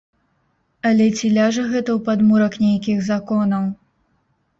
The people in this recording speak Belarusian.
Але ці ляжа гэта ў падмурак нейкіх законаў?